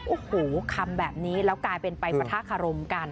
โอ้โหคำแบบนี้แล้วกลายเป็นไปปะทะคารมกัน